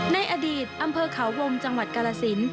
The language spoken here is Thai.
ในอดีตอำเภอเขาวงจังหวัดกาลสิน